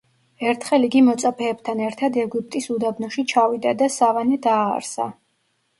ერთხელ იგი მოწაფეებთან ერთად ეგვიპტის უდაბნოში ჩავიდა და სავანე დააარსა.